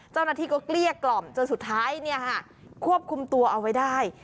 เจ้าหน้าที่ก็เกลี้ยกล่อมจนสุดท้ายควบคุมตัวเอาไว้ได้